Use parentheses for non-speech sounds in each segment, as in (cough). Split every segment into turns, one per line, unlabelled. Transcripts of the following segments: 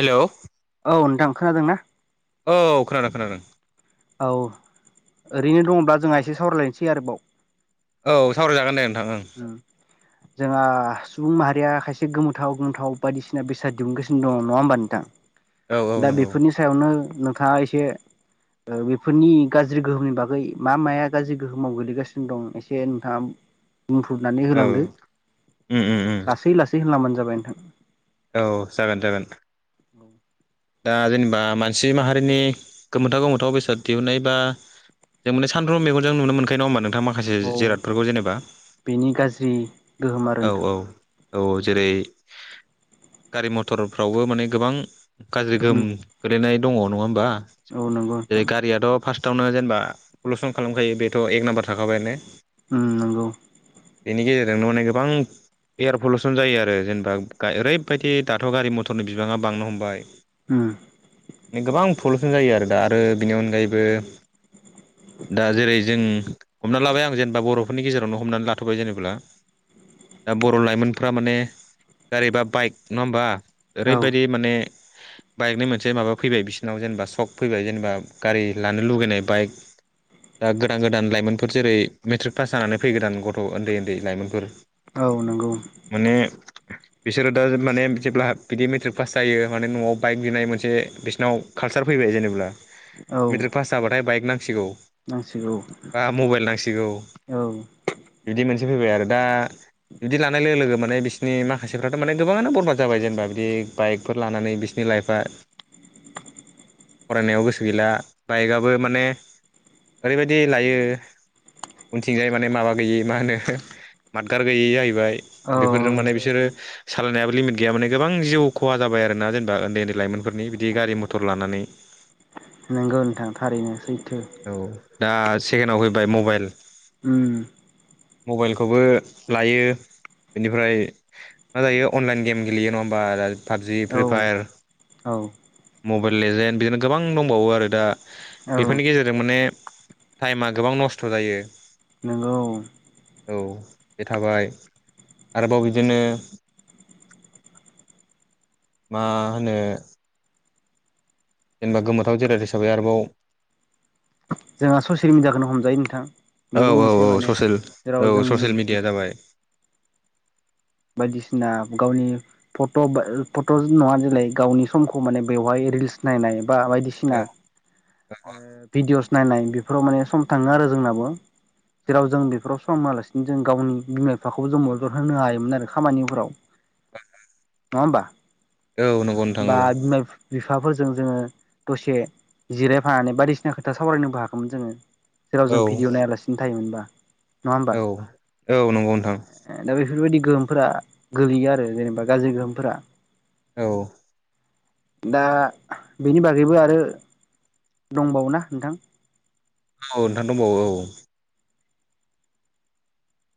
हेल'?
औ नोंथां खोनादों ना?
औ खोनादों खोनादों।
औ ओरैनो दङब्ला जोंहा एसे सावरायलायनोसै आरोबाव।
औ सावरायजागोन दे नोंथां ओं।
ओं। जोंहा सुबुं माहारिया खायसे गोमोथाव गोमोथाव बायदिसिना बेसाद दिहुनगासिनो दङ, नङा होमबा नोंथां?
औ औ
दा
नंगौ
बेफोरनि सायावनो नोंथाङा एसे बेफोरनि गाज्रि गोहोमनि बागै मा माया गाज्रि गोहोमाव गोग्लैगासिनो दं एसे नोंथाङा बुंफ्रबनानै
औ
होलांदो
उम उम उम
लासै लासै होनलबानो जाबाय नोंथां।
औ जागोन जागोन। दा जेनेबा मानसि माहारिनि गोमोथाव गोमोथाव बेसाद दिहुननाय बा जों मान सानफ्रोमबो मेगनजोंनो नुनो मोनखायो नङा होमबा नोंथां मा माखासे
औ
जिरादफोरखौ जेनेबा
बेनि गाज्रि गोहोम आरो
औ
नोंथां
औ। औ जेरै गारि मथरफ्रावबो माने गोबां गाज्रि गोहोम
उम
गोलैनाय दङ' नङा होमबा
औ नंगौ नोंथां
जेरै गारियाथ' फार्स्टआवनो जेनेबा पलुसन खालामखायो बेथ' एक नाम्बार थाखाबाय ने।
उम नोंगौ।
बेनि गेजेरजोंनो माने गोबां एयार पलुसन जायो आरो जेनेबा गा ओरैबायदि दाथ' गारि मथरनि बिबाङा बांनो हमबाय।
उम।
ने गोबां पलुसन जायो आरो दा आरो बेनि अनगायैबो दा जेरै जों हमना लाबाय आं जेनेबा बर'फोरनि गेजेरावनो हमनानै लाथ'बाय जेनेब्ला दा बर' लाइमोनफ्रा माने गारि बा बाइक नङा होमबा
औ
ओरैबायदि माने बाइकनि मोनसे माबा फैबाय बिसिनाव जेनेबा सक फैबाय जेनेबा गारि लानो लुगैनाय बाइक दा गोदान गोदान लाइमोनफोर जेरै मेट्रिक पास जानानै फैगोदान गथ' ओन्दै ओन्दै लाइमोनफोर
औ नंगौ।
माने बिसोरो दा माने जेब्ला बिदि मेट्रिक पास जायो माने न'आव बाइक बिनाय मोनसे बिसिनाव कालसार फैबाय जेनेब्ला
औ
मेट्रिक पास जाबाथाय बाइक नांसिगौ
नांसिगौ
बा मबाइल नांसिगौ।
औ
बिदि मोनसे फैबाय आरो दा बिदि लानाय लोगो लोगो माने बिसिनि माखासेफ्राथ' माने गोबाङानो बरबाद जाबाय जेनेबा बिदि बाइक फोर लानानै बिसिनि लाइफआ फरायनायाव गोसो गैला बाइकआबो माने ओरैबायदि लायो उनथिंजाय माने माबा गैयै मा होनो मादगार गैयै जायैबाय। बेफोरजों
औ
माने बिसोरो सालायनायाबो लिमिट गैया माने गोबां जिउ खहा जाबाय आरोना जेनेबा ओन्दै ओन्दै लाइमोनफोरनि बिदि गारि मथर लानानै।
नोंगौ नोंथां थारैनो सैथो।
औ दा सेकेण्डआव फैबाय मबाइल
उम।
मबाइलखौबो लायो बेनिफ्राय मा जायो अनलाइन गेम गेलेयो नङा होमबा पाबजि,
औ
फ्रि फायार।
औ।
मबाइल लेजेन्ड बिदिनो गोबां दंबावो आरो दा
औ
बेफोरनि गेजेर जों माने टाइमा गोबां नस्थ' जायो।
नोंगौ औ।
औ बे थाबाय आरोबाव बिदिनो मा होनो जेनेबा गोमोथाव जिराद हिसाबै आरोबाव
जोंहा ससियेल मिडियाखौनो हमजायो नोंथां
औ
बेबो
औ
मोनसे
औ
माने
ससियेल
जेराव
औ
जों
ससियेल मिडिया जाबाय
बायदिसिना गावनि फट' फट' नङा जेलाय गावनि समखौ माने बेवहाय रिल्स नायनाय बा
औ
बायदिसिना ओ भिडिअस नायनाय बेफोराव माने सम थाङो आरो जोंनाबो। जेराव जों बेफोराव सम होआलासिनो जों गावनि बिमा बिफाखौबो जों मदद होनो हायोमोन आरो। खामानिफोराव नङा होमबा?
औ नंगौ नोंथां औ
बा बिमा फि बिफाफोरजों जोङो दसे जिरायफानानै बायदिसिना खोथा सावरायनोबो हागौमोन जोङो। जेराव
औ
जों भिडिअ' नायालासिनो थायोमोनबा। नङा होमबा
औ औ नंगौ नोंथां।
दा बेफोरबायदि गोहोमफोरा गोलैयो आरो जेनेबा गाज्रि गोहोमफोरा।
औ
दा बेनि बागैबो आरो दंबावोना नोंथां
औ नोंथां दंबावो औ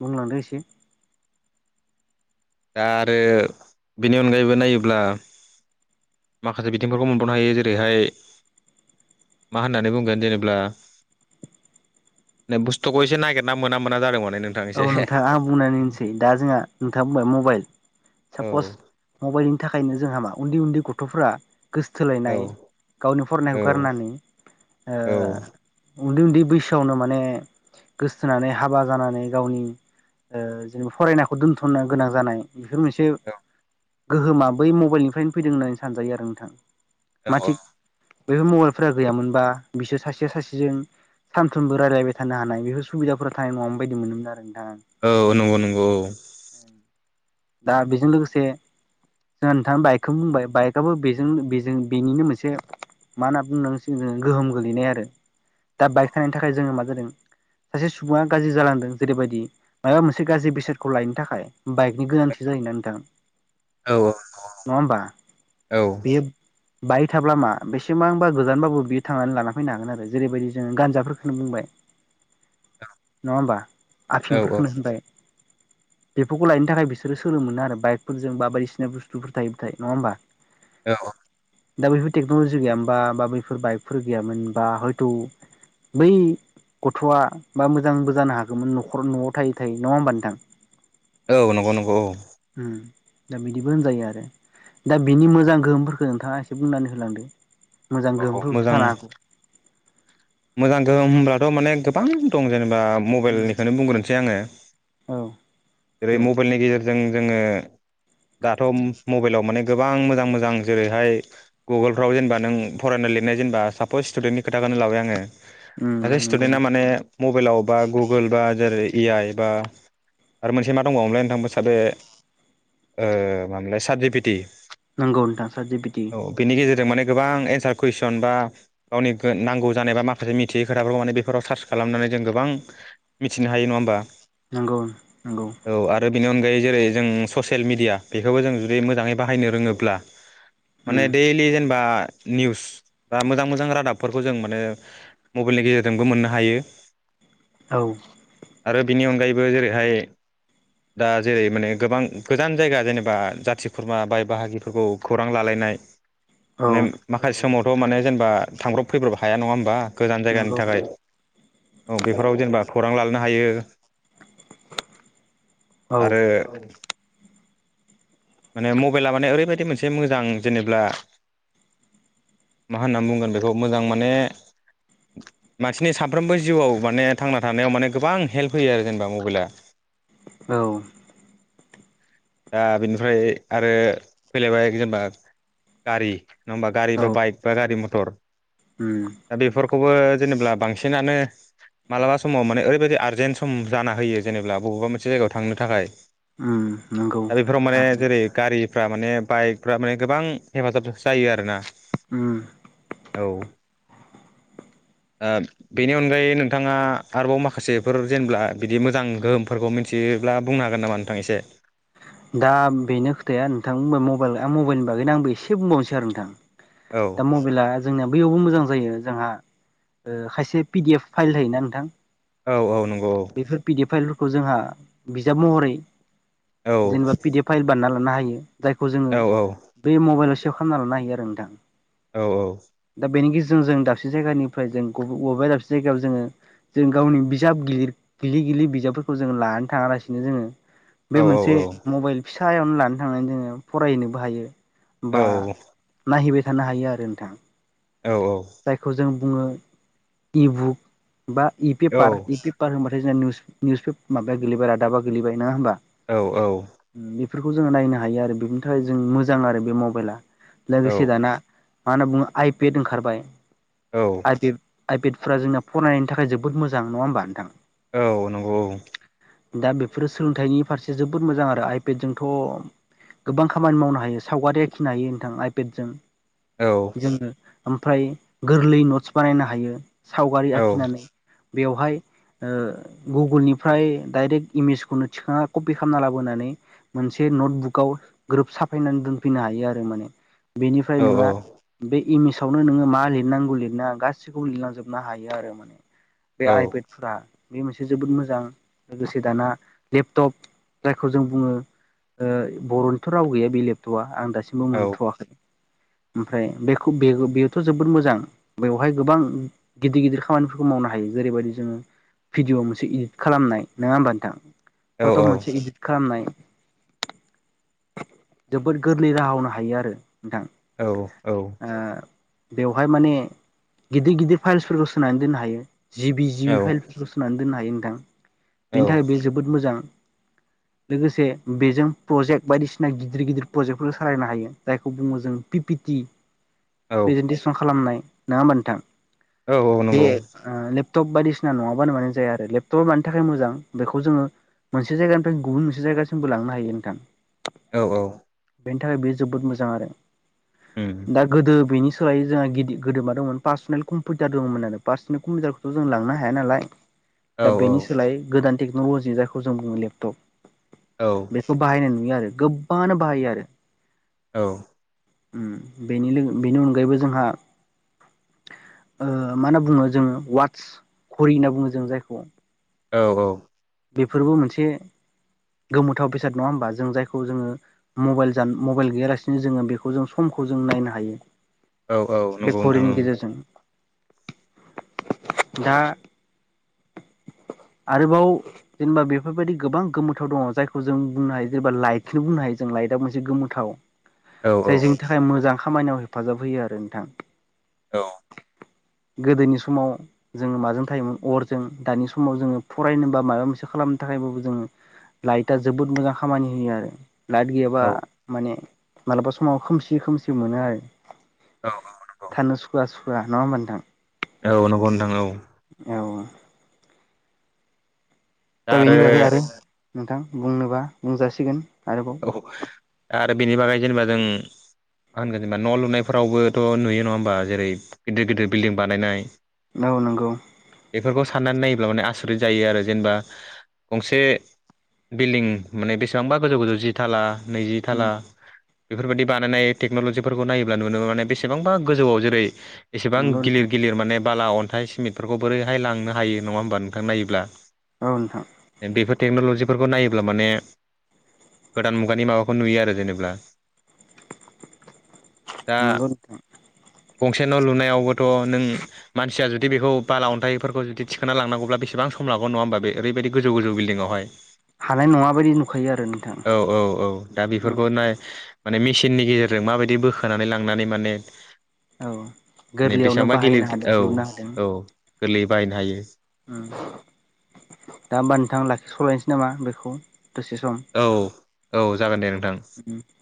बुंलांदो एसे
दा आरो बेनि अनगायैबो नायोब्ला माखासे बिथिंफोरखौ मोनबावनो हायो जेरैहाय मा होननानै बुंगोन जेनेब्ला नै बुस्थुखौ एसे नागिरना मोना मोना जादों माने नों
औ नोंथाङा आं बुंनानै होनोसै दा जोंहा नोंथाङा बुंबाय मबाइल
औ
सापस मबाइलनि थाखायनो जोंहा मा उन्दै उन्दै गथ'फोरा
औ
गोसोथोलायनाय गावनि
औ
फरायनायखौ गारनानै
औ
उन्दै उन्दै बैसोआवनो माने गोसथोनानै हाबा जानानै गावनि ओ जेनेबा फरायनाखौ दोनथ'नो गोनां जानाय बेफोर मोनसे गोहोमा बै मबाइलनिफ्रायनो फैदों होननानै सानजायो आरो नोंथां मा थिक बेफोर मबाइलफोरा गैयामोनबा बिसोर सासेया सासेजों सानफ्रोमबो रायल्लायबाय थानो हानाय बेफोर सुबिदाफोरा थानाय नङा बायदि मोनोमोन आरो नोंथाङा
औ नंगौ नंगौ औ
दा बेजों लोगोसे जोंहा नोंथां बाइकखौनो बुंबाय बाइकआबो बेजों बेजों बेनिनो मोनसे मा होनना बुंनांसिगोन जोङो गोहोम गोलैनाय आरो दा बाइक थानायनि थाखाय जोङो मा जादों सासे सुबुङा गाज्रि जालांदों जेरैबायदि माबा मोनसे गाज्रि बेसादखौ लायनो थाखाय बाइकनि गोनां थि जायोना नोंथां
औ
नङा होमबा
औ
बेयो बायक थाब्ला मा बेसेबांबा गोजानबाबो बियो थांनानै लाना फैनो हागोन आरो जेरैबायदि जोङो गानजाफोरखौनो बुंबाय नङा होनबा
औ औ
आफिंफोरखौनो होनबाय बेफोरखौ लायनो थाखाय बिसोर बिसोर सोलोंनो मोनो आरो बाइकफोरजों बा बायदिसिना बुस्थुफोर थायोब्लाथाय नङा होमबा
औ
दा बैफोर टेक्न'लजि गैयामोनबा बा बैफोर बाइकफोर गैयामोनबा हयथ' बै गथ'आ बा मोजांबो जानो हागौमोन न'खर न'आव थाय थायो नङा होमबा नोंथां
औ नंगौ नंगौ औ
दा बिदिबो होनजायो आरो दा बिनि मोजां गोहोमफोरखौ नोंथाङा एसे बुंनानै होलांदो मोजां
औ औ
गोहोमफोरबोथ'
मोजां
थानो हागौ
मोजां गोहोम होनब्लाथ' माने गोबां दं जेनेबा
उम
मबाइलनिखौनो बुंग्रोनोसै आङो
औ दे
जेरै मबाइलनि गेजेरजों जोङो दाथ' मबाइलाव माने गोबां मोजां मोजां जेरैहाय गुगोलफ्राव जेनेबा नों फरायनो लिरनाय जेनबा सास स्टुेन्टनि खोथाखौनो लाबाय आङो
उम
सासे
नंगौ
स्टुदेन्टा माने मबाइलाव बा गुगोल बा जेरै ए आइ बा आरो मोनसे मा दंबावोलाय नोंथांबो सादे ओ मामोन लाय साटजिफिटि
नोंगौ नोंथा साटजिफिटि
बिनि गेजेरजों माने गोबां एन्सार कुइसन बा गावनि नांगौ जानाय बा माखासे माखासे मिथियै खोथाफोरखौ माने बेफोराव सार्च खालामनानै जों गोबां मिथिनो हायो नङा होमबा
नंगौ नंगौ
औ आरो बेनि अनगायै जेरै जों ससियेल मिडिया बेखौबो जों जुदि मोजाङै बाहायनो रोङोब्ला माने
उम
दैलि जेनेबा निउस बा मोजां मोजां रादाबफोरखौ जों माने मबाइलनि गेजेरजोंबो मोननो हायो
औ
आरो बिनि अनगायैबो जेरैहाय दा जेरै माने गोबां गोजान जायगा जेनेबा जाथि खुरमा बाय बाहागिफोरखौ खौरां लालायनाय
(inaudible)
मे माखासे समावथ' माने जेनेबा थांब्रब फैब्रब हाया नङा होमबा गोजान जायगानि
नंगौ
थाखाय औ बेफोराव जेनेबा खौरां लानो हायो
औ
आरो माने मबाइला माने ओरैबायाददि मोनसे मोजां जेनेब्ला मा होनना बुंगोन बेखौ मोजां माने मानसिनि सानफ्रोमबो जिउआव माने थांना थानायाव माने गोबां हेल्प होयो आरो जेनेबा मबाइला
औ
दा बिनिफ्राय आरो फैलायबाय जेनेबा गारि नङा होमबा गारि
औ
बा बाइक बा गारि मथर
उम
दा बेफोरखौबो जेनेबा बांसिनानो मालाबा समाव माने ओरैबायाददि आरजेन्ट सम जान होयो जेनेबा बबेबा मोनसे जायगायाव थांनो थाखाय
नंगौ
दा बेफोराव माने
थारनो
जेरै गारिफ्रा माने बाइकफ्रा माने गोबां हेफाजाब जायो आरोना
ओम
औ बेनि अनगायै नोंथाङा आरोबाव माखासेफोर जेनेबा बिदि मोजां गोहोमफोरखौ मिथि थब्ला बुंनो हागोन नामा नोंथां एसे
दा बेनो खोथाया नोंथां बुंबा मबाइल मबाइलनि बागैनो आंबो एसे बुंबावनोसै आरो नोंथां
औ
दा मबाइला जोंनिया बैयावबो मोजां जायो जोंहा खायसे पिडि एफ फाइल होायोना नोंथां
औ औ नंगौ औ
बेफोर पिदि फाइलफोरखौ जोंहा बिजाब महरै
औ
जेनेबा पिडि एफ फाइल बान्ना लानो हायो जायखौ जोङो
औ
बे मबाइलाव सेभ खालामना लानो हायो आरो नोंथां
औ औ
दा बेनि गेजेरजों जों दाबसे जायगानिफ्राय जोंब बबेबा दाबसे जायगायाव जोङो जों गावनि बिजाब गििर गिलिर गिललि बिजाबफोरखौ जोंङ लानो थाङालासिनो जोङो बे
औ
मोनसे
औ
मबाइल फिसायावनो लानो थांनानै जोङो फरायहनोबो हायो बा
औ
नायहैबाय थानो हायो आरो नोंथांा
औ औ
जायखौ जों बुङो इबुक बा इ पेपार इ बार होनबाथाय जोंना निउस माबाया गेलेबाय रादाबा गेलेबाय नङा होमबा
औ औ
बेफोरखौ जो नायनो हायो आरो बेनि थाखाय जों मोजां आरो बे मबाइला
औ
लोगोसे दाना मा होनना बुङो आइपेड ओंखारबाय
औ
आइे आइभेटफ्रा जोंना फरायनायनि थाखाय जोबोद मोां नङा होमब नोंथां
औ नंगौ
दा बेफोरो सोलोंथाइनि फारसे जोबोद मोजां आरो आइपेडजोंोंथ' गोबां खामानि मावनो हायो सावगारि आखिनो हायो नोंथां आइपेडजों
औ
जोङो ओमफ्राय गोरलै नट्स बानायनो हायो सावगारि
औ
आखिनानै बेवहाय गुगोलनिफ्राय डाइरेक्ट इमेजखौनो थिखांना कपि खालामना लाबोनानै मोनसे नटबुकाव ग्रोब साफायनानै दोनफैनो हायो आरो माने
औ
बेनिफ्राय नोङहा बे इमेजावनो नोङो मा लिर लिरनांगौ लिरना गासिखौबो लिरलांजोबनो हायो आरो माने बे आइेट फुरा बे मोनसे जोबोद मोजां लोगोसे दाना लेपटप जायखौ जों बुङो बर'निथ' राव गैया बे लेपटपा आं दासिम बेबो
औ
मोनथ'वाखै ओमफ्राय बेखौ बे बेथ' जोबोद मोजां। बेवहाय गोबां गिदिर गिदिर खामानिफोरखौ मावनो हायो जेरैबायदि जोङो। भिडिअ मोनसे इदित खालामनाय नङा होमबा नोंथां
औ
फट'
औ
मोनसे इदिट। खालामनाय जोबोद गोरलै राहानो हायो आरो नोंथां।
औ औ
बेवहाय माने गिदिर गिदिर फाइल्सफोरखौ सोनानै दोननो हायो। जिबि
औ
जिबि फाइलफोरखौ सोनानै दोननो हायो नोंथां
औ
बेनि थाखाय बे जोबोद मोजां। लोगोसे बेजों प्रजेक्ट बायदिसिना गिदिर गिदिर प्रजेक्टफोर सालायनो हायो जायखौ बुङो जों पिपिटि। प्रेजन्टेसन खालामनाय नङा होमबा नोंथां
औ
बे।
नंगौ
लेपटप बायदिसिना नङाबानो मानो जाया आरो लेपटप मानि थाखाय मोजां बेखौ जोङो। मोनसे जायगानिफ्राय गुबुन मोनसे जायगासिमबो लांनो हायो नोंथां।
औ औ
बेनि थाखाय बेयो जोबोद मोजां आरो
उम
दा गोदो बेनि सोलायै जोंहा गिदि गोदो मा दं पार्सनेल कम्पिउटार दंमोन आरो पारसनेल कम्पिउटारखौ' जों लांनो हाया नालाय।
औ
दा बेनि सोलाय गोदान टेक्न'लजिनि जायखौ जों बुङो लेपटप।
औ
बेखौ बाहायनाय नुयो आरो गोबाङानो बाहायो आरो
औ
बेनि बेनि अनगायैबो जोंहा मा होनना बुङो जोङो वाट्स खरि होनना बुङो जों जायखौ
औ औ
बेफोरबो मोनसे गोमोथाव बेसाद नङा होमबा जों जायखौ जोङो। मबाइल ज मबाइल गैयालासिनो जोङो बेखौ जों समखौ जों नायनो हायो।
औ औ
बे
नंगौ नोंथां
घरिनि गेजेरजों। दा आरोबाव। जेनेबा बेफोरबायदि गोबां गोमोथाव दङ जायखौ जों बुंनो हायो जेनेबा लाइटखौनो बुंनो हायो जों लाइटआ मोनसे गोमोथाव।
औ औ
जायजोंनि थाखाय मोजां खामानियाव हेफाजाब होयो आरो नोंथां।
औ
गोदोनि समाव जोङ माजों थायोमोन अरजों दानि समाव जोङो फरायनोबा माबा मोनसे। खालामनो थाखायबो जोङो लाइटआ जोबोद मोजां खामानि होयो आरो लाइट गैयाब्ला
औ
माने मालाबा समाव खोमसि खोमसि मोनो आरो।
औ। नंगौ
थानो सुखवा सुखुवा नङा होमथां।
औ नंगौ नथां औ।
औ। दा बेनि बागै आरो नोंथां बुंनोबा बुंजासिगोन आरोबाव।
औ आरो बेनि बागै जेनेबा जों। मा होनगोन जेनेबा न' लुनायफोरावबोथ' नुयो नङा होमबा जेरै गिदिर गिदिर बिल्डिं बानायनाय
औ नंगौ
बेफोरखौ साननानै नायोब्ला माने आसरित जायो आरो जेनेबा गंसे। बिल्डिं माने बेसेबांबा गोजौ गोजौ जि थाला नैजि थाला।
उम
बेफोरबायाददि बानायनाय टेक्न'ल'जिफोरखौ नायोब्ला नुनो मोनो बेसेबांबा गोजौआव जेरै एसेबां
नंगौ नोंथां
गिलिर गिलिर माने बाला अन्थाइ सिमेटफोरखौ बोरैहाय लांनो हायो नङा होमबा नोंथां नायोब्ला।
औ नोंथां
बेफोर टेक्न'लजिफोरखौ नायोब्ला माने गोदान मुगानि माबाखौ नुयो आरो जेनेबा दा
नंगौ नोंथां
गंसे न' लुनायावबोथ' नों मानसिया जुदि बेखौ बाला अन्थाइफोरखौ जुदि थिखोना लांनांगौब्ला बेसेबां सम लागोन नङा होबा बे ओरै बायदि गोजौ गोजौ बिल्डिं आवहाय
हानाय नङा बायदि नुखायो आरो नों
औ औ औ दा बेफोरखौ नाय माने मेसिननि गेजेरजों माबायदि बोखानै लांनानै माने
औ
ने
गोरलैयावनो
बेसेबांबा
बाहायनो
गिलिर
हादों
औ
लुनो
औ गोरलैयै बाहायनो हायो
ओम दा होमबा नोंथां लाखिस'लायनोसै नामा बेखौ दसे सम
औ औ जागोन दे नोंथां
उम